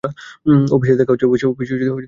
অফিসে দেখা হচ্ছে।